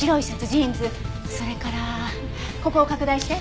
それからここを拡大して。